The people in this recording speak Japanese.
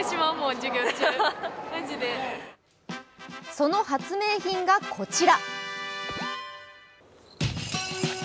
その発明品がこちら。